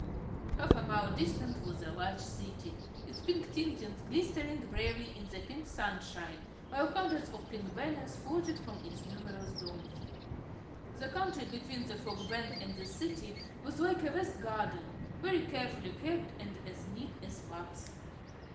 Half a mile distant was a large City, its pink tintings glistening bravely in the pink sunshine, while hundreds of pink banners floated from its numerous domes. The country between the Fog Bank and the City was like a vast garden, very carefully kept and as neat as wax.